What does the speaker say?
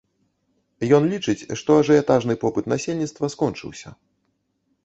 Ён лічыць, што ажыятажны попыт насельніцтва скончыўся.